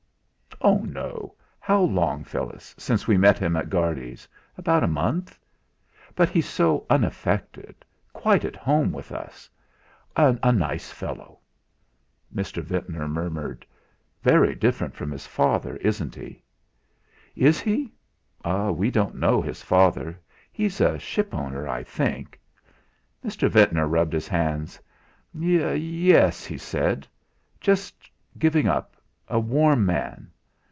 "Oh! no. How long, Phyllis, since we met him at Guardy's? About a month. But he's so unaffected quite at home with us. A nice fellow." Mr. Ventnor murmured: "Very different from his father, isn't he?" "Is he? We don't know his father; he's a shipowner, I think." Mr. Ventnor rubbed his hands: "Ye es," he said, "just giving up a warm man.